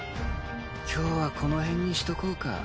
今日はこのへんにしとこうか。